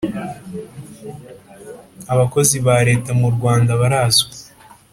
abakozi ba Leta murwanda barazwi